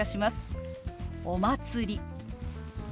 「お祭り」。